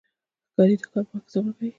ښکاري د ښکار په وخت کې صبر کوي.